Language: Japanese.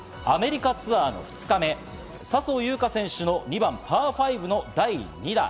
アメリカツアー２日目、笹生優花選手の２番パー５の第２打。